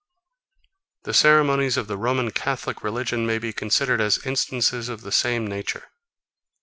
The ceremonies of the Roman Catholic religion may be considered as instances of the same nature.